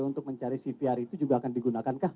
untuk mencari cvr itu juga akan digunakan kah